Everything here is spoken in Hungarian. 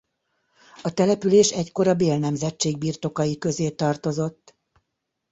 A település egykor a Bél nemzetség birtokai közé tartozott.